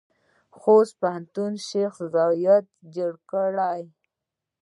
خوست پوهنتون شیخ زاید جوړ کړی؟